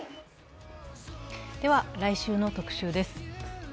では、来週の特集です。